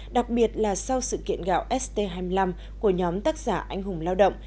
đặc biệt là sau sự kiện gạo st hai mươi năm của nhóm tác giả anh hùng lao động